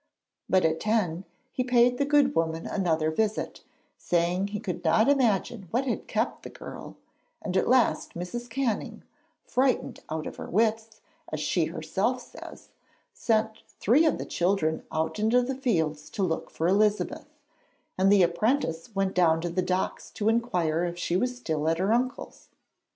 But at ten he paid the good woman another visit, saying he could not imagine what had kept the girl; and at last Mrs. Canning, 'frightened out of her wits' as she herself says, sent three of the children out into the fields to look for Elizabeth, and the apprentice went down to the Docks to inquire if she was still at her uncle's.